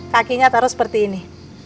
kakinya taruh seperti ini